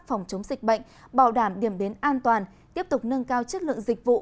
phòng chống dịch bệnh bảo đảm điểm đến an toàn tiếp tục nâng cao chất lượng dịch vụ